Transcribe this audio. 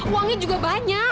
uangnya juga banyak